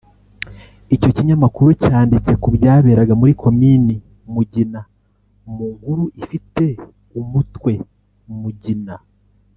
Icyo kinyamakuru cyanditse ku byaberaga muri Komini Mugina mu nkuru ifite umutwe “Mugina